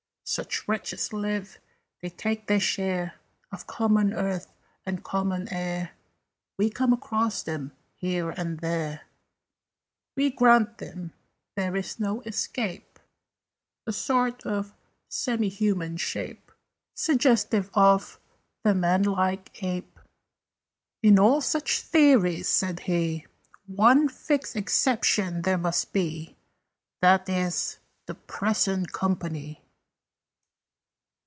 "Such wretches live: they take their share Of common earth and common air: We come across them here and there: "We grant them there is no escape A sort of semi human shape Suggestive of the man like Ape." "In all such theories," said he, "One fixed exception there must be. That is, the Present Company."